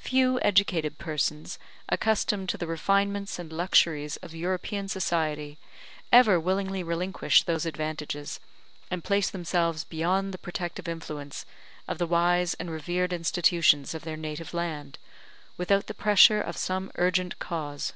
Few educated persons, accustomed to the refinements and luxuries of European society, ever willingly relinquish those advantages, and place themselves beyond the protective influence of the wise and revered institutions of their native land, without the pressure of some urgent cause.